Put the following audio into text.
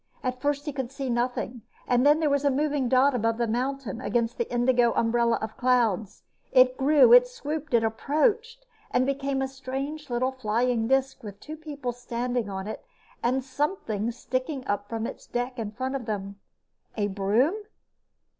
At first he could see nothing, then there was a moving dot above the mountain, against the indigo umbrella of clouds. It grew, it swooped, it approached and became a strange little flying disc with two people standing on it and something sticking up from its deck in front of them. A broom?